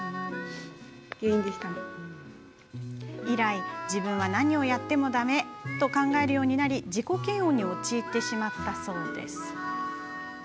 以来、自分は何をやってもだめと考えるようになり自己嫌悪に陥ってしまったそうです。